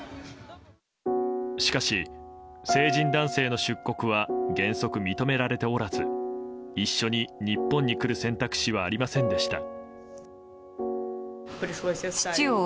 しかし、成人男性の出国は原則認められておらず一緒に日本に来る選択肢はありませんでした。